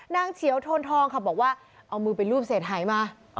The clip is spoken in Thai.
นางเฉียวโทนทองบอกว่าเอามือเป็นรูปเสร็จหายมา